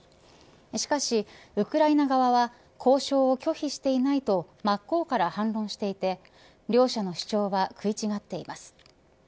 しかし、ウクライナ側は交渉を拒否していないと真っ向から反論していて両者の主張は食い違っています。